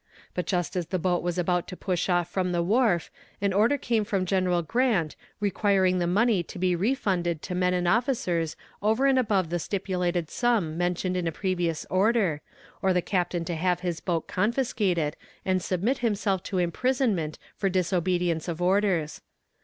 But just as the boat was about to push off from the wharf an order came from General Grant requiring the money to be refunded to men and officers over and above the stipulated sum mentioned in a previous order, or the captain to have his boat confiscated and submit himself to imprisonment for disobedience of orders.